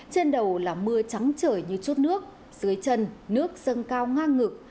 trên đầu là mưa trắng trời như chút nước dưới chân nước sâng cao ngang ngực